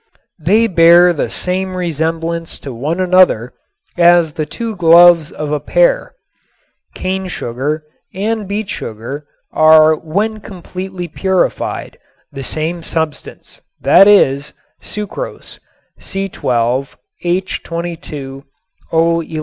They bear the same resemblance to one another as the two gloves of a pair. Cane sugar and beet sugar are when completely purified the same substance, that is, sucrose, C_H_O_.